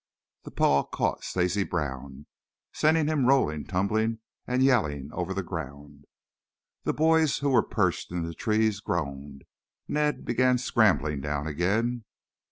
The paw caught Stacy Brown, sending him rolling, tumbling and yelling over the ground. The boys who were perched in the trees groaned. Ned began scrambling down again.